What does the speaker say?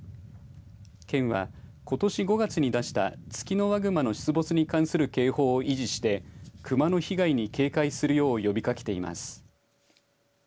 県はことし５月に出したツキノワグマの出没に関する警報を維持してクマの被害に警戒するよう呼びかけています。